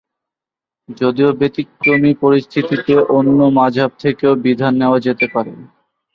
যদিও ব্যতিক্রমী পরিস্থিতিতে অন্য মাজহাব থেকেও বিধান নেওয়া যেতে পারে।